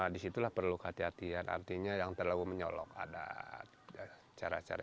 di situlah perlu hati hatian artinya yang terlalu menyolok adat